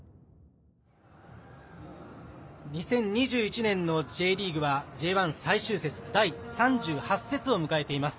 ２０２１年のＪリーグはＪ１最終節、第３８節を迎えています。